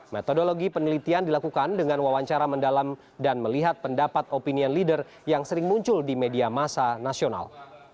metodologi penelitian dilakukan dengan wawancara mendalam dan melihat pendapat opinion leader yang sering muncul di media masa nasional